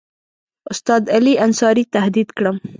استاد علي انصاري تهدید کړم.